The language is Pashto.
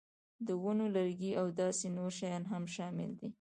د ونو لرګي او داسې نور شیان هم شامل دي.